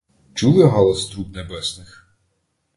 Чули глас труб небесних?